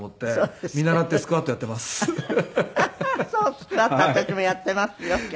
スクワット私もやっていますよ今日。